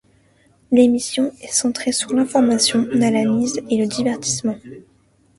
L'émission est centrée sur l'information, l'analyse et le divertissement.